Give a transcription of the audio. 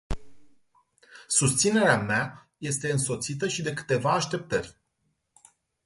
Susținerea mea este însoțită și de câteva așteptări.